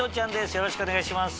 よろしくお願いします。